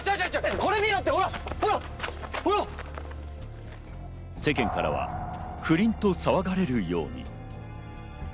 これ見世間からは不倫と騒がれるように。